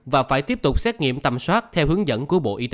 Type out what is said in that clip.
và phải tiếp tục xét nghiệm tầm soát theo hướng dẫn của bộ y tế